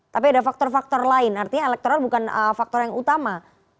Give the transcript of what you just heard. tapi ada faktor faktor lain artinya elektoral bukan faktor yang utama